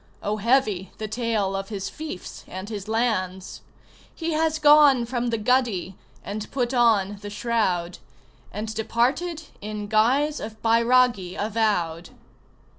Oh, heavy the tale of his fiefs and his lands! He has gone from the guddee and put on the shroud, And departed in guise of bairagi avowed!